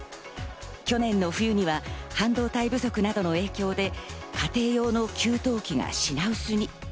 去年の冬には半導体不足などの影響で、家庭用の給湯器が品薄に。